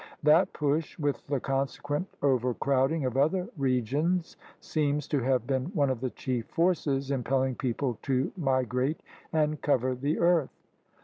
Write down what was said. That push, with the conse quent overcrowding of other regions, seems to have been one of the chief forces impelling people to migrate and cover the earth.